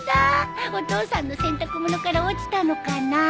お父さんの洗濯物から落ちたのかな。